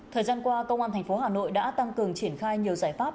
thời gian qua công an thành phố hà nội đã tăng cường triển khai nhiều giải pháp